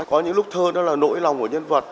có những lúc thơ đó là nỗi lòng của nhân vật